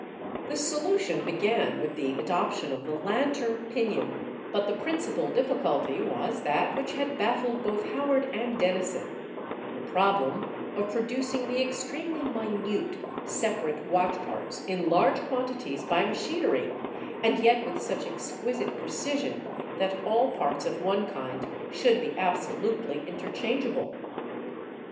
The solution began with the adoption of the "lantern pinion," but the principal difficulty was that which had baffled both Howard and Dennison—the problem of producing the extremely minute separate watch parts in large quantities by machinery, and yet with such exquisite precision that all parts of one kind should be absolutely interchangeable.